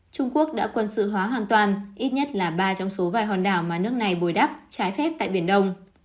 trung quốc đã quân sự hóa hoàn toàn ít nhất là ba trong số vài hòn đảo mà nước này bồi đắp trái phép tại biển đông